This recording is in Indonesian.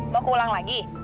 mau keulang lagi